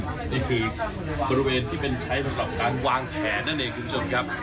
นี่คือบริเวณที่เป็นใช้สำหรับการวางแผนนั่นเองคุณผู้ชมครับ